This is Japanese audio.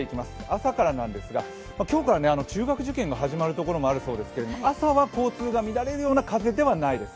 朝からなんですが今日から中学受験が始まるところもあるようですけれども、朝は交通が乱れるような風ではないですよ。